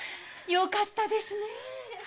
よかったですねえ。